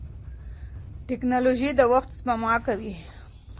ټیکنالوژي د وخت سپما کوي.